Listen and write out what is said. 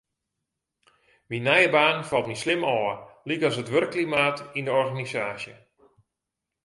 Myn nije baan falt my slim ôf, lykas it wurkklimaat yn de organisaasje.